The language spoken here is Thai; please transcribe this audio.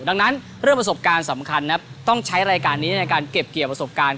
ดังนั้นเรื่องประสบการณ์สำคัญนะครับต้องใช้รายการนี้ในการเก็บเกี่ยวประสบการณ์